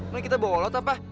nah kita bolot apa